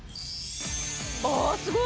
ああすごい！